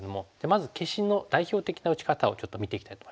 まず消しの代表的な打ち方をちょっと見ていきたいと思います。